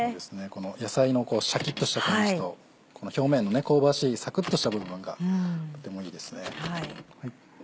野菜のシャキっとした感じとこの表面の香ばしいサクっとした部分がとてもいいですね。